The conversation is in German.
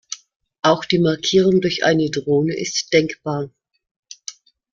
Auch die Markierung durch eine Drohne ist denkbar.